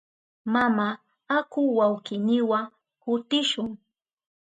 Mama, aku wawkiyniwa kutishun.